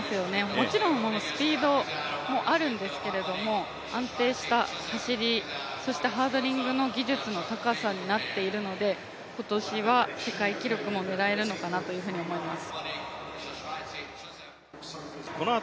もちろんスピードもあるんですけれども、安定した走り、そしてハードリングの技術の高さになっているので今年は世界記録も狙えるのかなと思います。